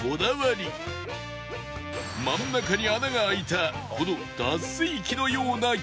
真ん中に穴が開いたこの脱水機のような機械で